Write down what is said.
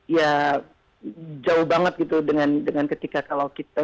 ya jauh banget gitu dengan ketika kalau kita